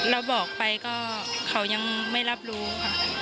เราบอกไปก็เขายังไม่รับรู้ค่ะ